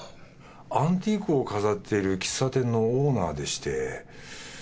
アンティークを飾ってる喫茶店のオーナーでして。